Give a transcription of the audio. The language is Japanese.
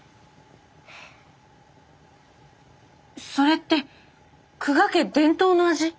それって久我家伝統の味。